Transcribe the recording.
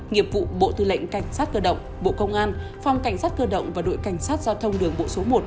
nghiệp vụ bộ tư lệnh cảnh sát cơ động bộ công an phòng cảnh sát cơ động và đội cảnh sát giao thông đường bộ số một